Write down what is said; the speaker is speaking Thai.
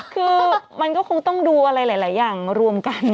คือมันก็คงต้องดูอะไรหลายอย่างรวมกัน